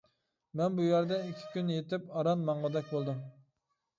مەن بۇ يەردە ئىككى كۈن يېتىپ ئاران ماڭغۇدەك بولدۇم.